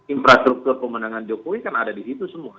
infrastruktur pemenangan jokowi kan ada di situ semua